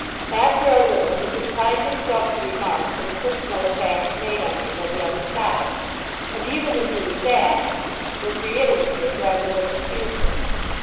After a little he confined himself to remarks on the personal attacks made on him by the other side, and even in doing that was reiterative rather than diffusive.